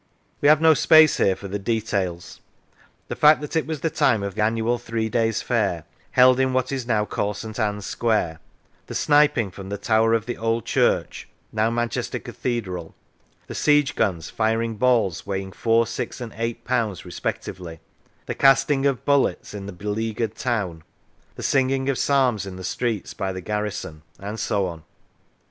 We have no space here for the details : the fact that it was the time of the annual three days' fair, held in what is now called St. Ann's Square the sniping from the tower of the Old Church, now Manchester Cathedral the siege guns firing balls weighing four, six, and eight pounds respectively the casting of bullets in the beleaguered town the singing of psalms in the streets by the garrison and so on.